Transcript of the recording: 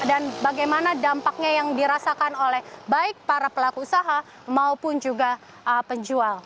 dan bagaimana dampaknya yang dirasakan oleh baik para pelaku usaha maupun juga penjual